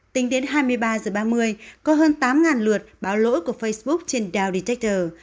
tính đến hai mươi ba giờ ba mươi có hơn tám lượt báo lỗi của facebook trên dow detector